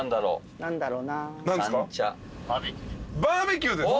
バーベキューです！